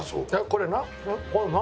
これ何？